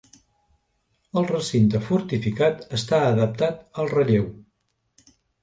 El recinte fortificat està adaptat al relleu.